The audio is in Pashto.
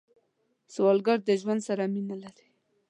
سوالګر د ژوند سره مینه لري